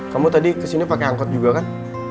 kamu tadi kesini pake angkut juga kan